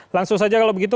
langsung saja kalau begitu